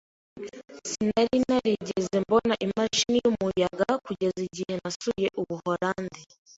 Sinari narigeze mbona imashini yumuyaga kugeza igihe nasuye Ubuholandi.